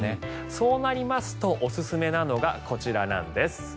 そうなりますとおすすめなのがこちらなんです。